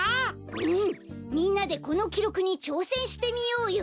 うんみんなでこのきろくにちょうせんしてみようよ。